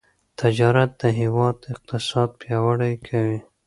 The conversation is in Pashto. تجارت د هیواد اقتصاد پیاوړی کوي.